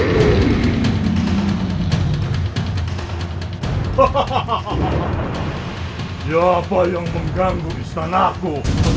siapa yang mengganggu istanaku